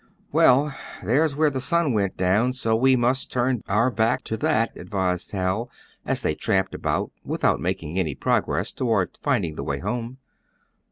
"Well, there's where the sun went down, so we must turn our back to that," advised Hal, as they tramped about, without making any progress toward finding the way home.